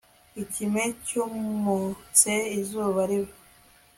Ikime cyumutse izuba riva